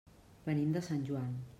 Venim de Sant Joan.